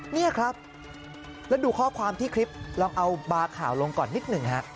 นี่ครับแล้วดูข้อความที่คลิปลองเอาบาร์ข่าวลงก่อนนิดหนึ่งฮะ